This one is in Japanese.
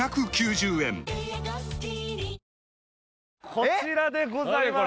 こちらでございます